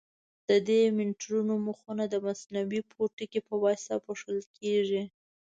د دې میټرونو مخونه د مصنوعي پوټکي په واسطه پوښل کېږي.